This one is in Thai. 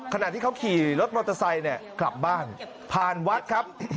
ขณะที่เขาขี่รถมอเตอร์ไซค์เนี่ยกลับบ้านผ่านวัดครับ